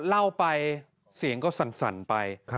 เล่าไปเสียงก็สั่นไป